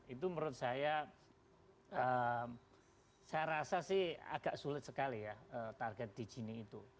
itu menurut saya saya rasa sih agak sulit sekali ya target digini itu